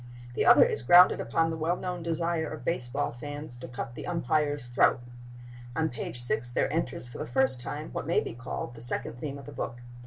The other is grounded upon the well known desire of baseball fans to cut the umpire's throat. On page 6 there enters for the first time what may be called the second theme of the book.